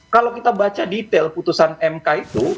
kalau kita baca detail putusan mk itu